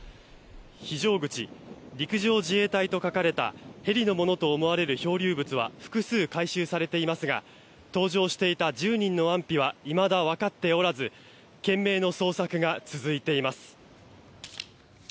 「非常口」、「陸上自衛隊」と書かれたヘリのものと思われる漂流物は複数回収されていますが搭乗していた１０人の安否はいまだわかっておらず懸命の捜索が続いています。